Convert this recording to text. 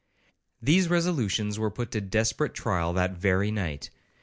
These resolutions were put to desperate trial that very night.